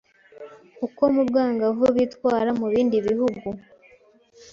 uko mu bwangavu bitwara mu bindi bihugu.